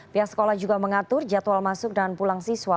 pihak sekolah juga mengatur jadwal masuk dan pulang siswa